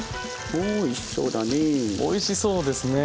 おいしそうだね。